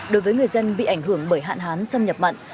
đối với người dân bị ảnh hưởng bởi hạn hán xâm nhập mặn